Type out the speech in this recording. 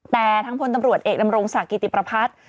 แต่ทั้งพลตำรวจเอกดศกิติประพัทย์